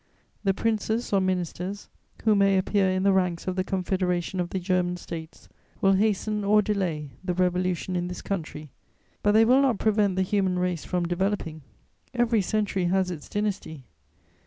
The princes or ministers who may appear in the ranks of the Confederation of the German States will hasten or delay the revolution in this country, but they will not prevent the human race from developing: every century has its dynasty.